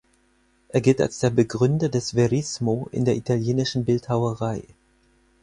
Er gilt als der Begründer des Verismo in der italienischen Bildhauerei.